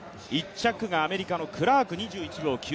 １着がアメリカのクラーク２１秒９５。